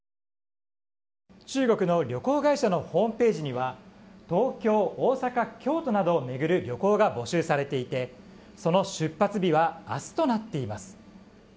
中国の旅行会社のホームページには東京、大阪、京都などを巡る旅行が募集されていてその出発日は明日となっています。